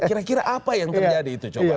kira kira apa yang terjadi itu coba